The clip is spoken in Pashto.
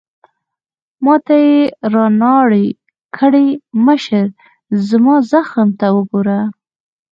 ما ته يې رانارې کړې: مشره، زما زخم ته وګوره.